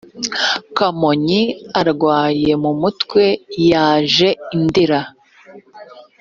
kamonyi arwaye mu mutwe yaje i ndera